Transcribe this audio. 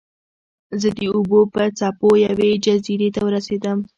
زه د اوبو په څپو یوې جزیرې ته ورسیدم.